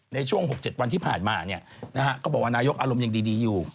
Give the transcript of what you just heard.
ในช่วง๖๗วันที่ผ่านมาก็บอกว่านายกอารมณ์ยังดีอยู่